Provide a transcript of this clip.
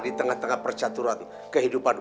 di tengah tengah percaturan kehidupan